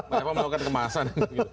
pak eva mau kemasan